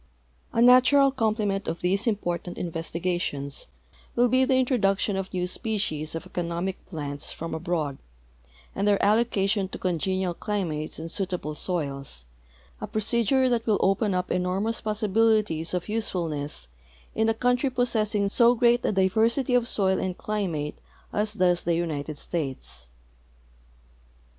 A natural complement of these important investigations will be the introduction of new species of economic plants from abroad and their allocation to congenial climates and suital)le soils, a jn'ocedure that will open u}) enormous possibilities of usefulness in a country possessing so great a diversit}^ of soil and climate as does the United States.